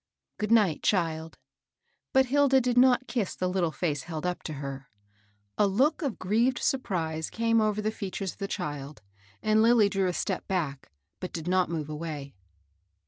Good night, child." But Hilda did not kiss the little face held up to her. A look of grieved surprise came over the features of the child, and Lilly drew a step back, but did not move away.